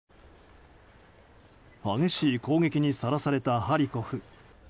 激しい攻撃にさらされたハリコフ。